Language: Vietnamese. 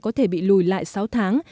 có thể bị lùi lại sáu tháng